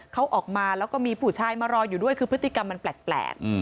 เขาออกมาแล้วก็มีผู้ชายมารออยู่ด้วยคือพฤติกรรมมันแปลก